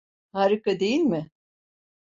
Harika değil mi?